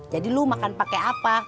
jadi lu makan pake apa